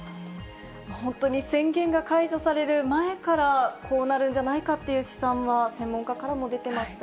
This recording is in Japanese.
本当に宣言が解除される前からこうなるんじゃないかという試算は、専門家からも出てましたよ